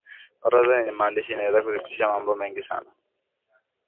orodha yenye maandishi inaweza kuthibitisha mambo mengi sana